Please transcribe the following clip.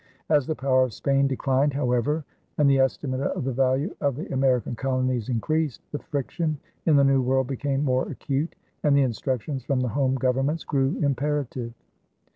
As the power of Spain declined, however, and the estimate of the value of the American colonies increased, the friction in the New World became more acute and the instructions from the home governments grew imperative.